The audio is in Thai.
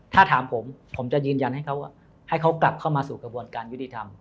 ถ้าถามผมผมจะยืนยันให้เขาให้เขากลับเข้ามาสู่กระบวนการยุติธรรม